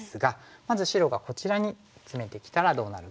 まず白がこちらにツメてきたらどうなるか。